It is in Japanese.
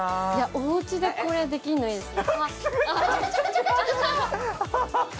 おうちでこれ、できるのいいですね。